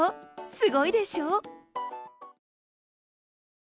すごいでしょ！